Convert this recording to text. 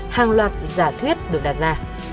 hàng loạt giả thuyết được đặt ra